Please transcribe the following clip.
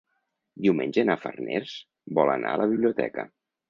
Diumenge na Farners vol anar a la biblioteca.